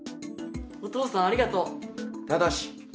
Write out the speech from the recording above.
お父さんありがとう！